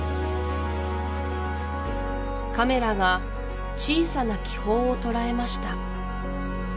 カメラが小さな気泡を捉えました